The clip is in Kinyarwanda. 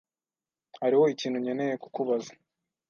Hariho ikintu nkeneye kukubaza.